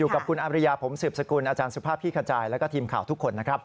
กับคุณอาบริยาผมสืบสกุลอาจารย์สุภาพพี่ขจายแล้วก็ทีมข่าวทุกคนนะครับ